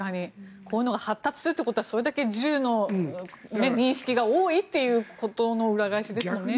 こういうのが発達するということはそれだけ銃の認識が多いということの裏返しですからね。